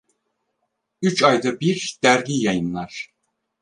Üç ayda bir dergi yayınlar.